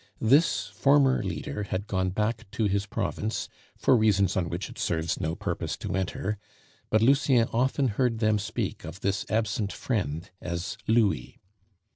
This former leader had gone back to his province for reasons on which it serves no purpose to enter, but Lucien often heard them speak of this absent friend as "Louis."